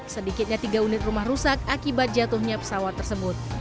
sedikitnya tiga unit rumah rusak akibat jatuhnya pesawat tersebut